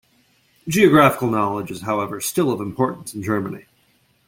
Geographical knowledge is however still of importance in Germany.